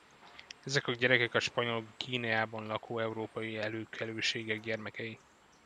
Ezek a gyerekek a Spanyol Guineában lakó európai előkelőségek gyermekei.